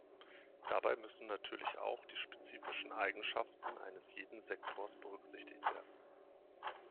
Dabei müssen natürlich auch die spezifischen Eigenschaften eines jeden Sektors berücksichtigt werden.